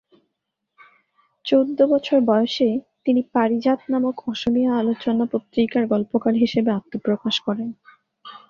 চৌদ্দ বৎসর বয়সে তিনি "পারিজাত" নামক অসমীয়া আলোচনা পত্রিকায় গল্পকার হিসেবে আত্মপ্রকাশ করেন।